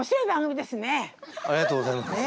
ありがとうございます。